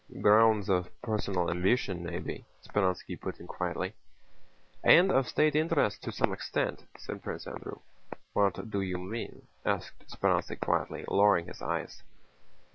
"Grounds of personal ambition maybe," Speránski put in quietly. "And of state interest to some extent," said Prince Andrew. "What do you mean?" asked Speránski quietly, lowering his eyes.